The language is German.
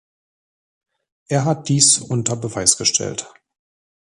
Er hat dies unter Beweis gestellt.